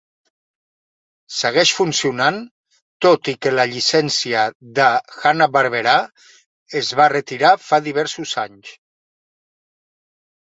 Segueix funcionant, tot i que la llicència de Hanna-Barbera es va retirar fa diversos anys.